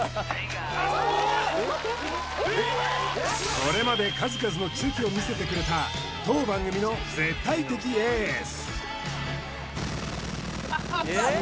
これまで数々の奇跡を見せたくれた当番組の絶対的エース